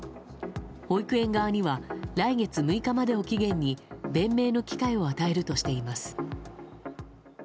保育園側には来月６日までを期限に弁明の機会を与えるとしています。